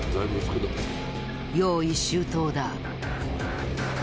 用意周到だ。